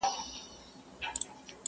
باد د غرونو له منځه راځي.